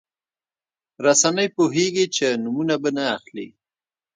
رسنۍ پوهېږي چې د نومونه به نه اخلي.